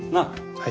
はい。